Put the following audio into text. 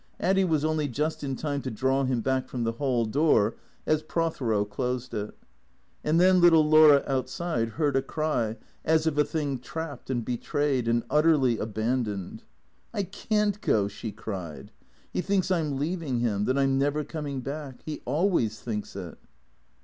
Addy was only just in time to draw him back from the hall door as Prothero closed it. And then little Laura, outside, heard a cry as of a thing trap ped, and betrayed, and utterly abandoned. " I can't go," she cried. " He thinks I 'm leaving him — that I 'm never coming back. He always thinks it."